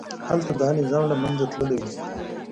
هلته دا نظام له منځه تللي وو.